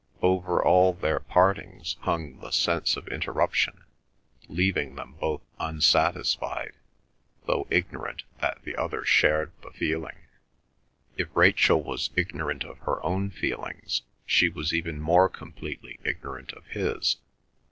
Over all their partings hung the sense of interruption, leaving them both unsatisfied, though ignorant that the other shared the feeling. If Rachel was ignorant of her own feelings, she was even more completely ignorant of his.